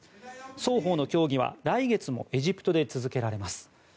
双方の協議は来月もエジプトで続けられます。